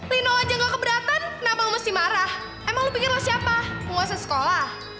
lino aja gak keberatan kenapa lo mesti marah emang lo pikir lo siapa penguasa sekolah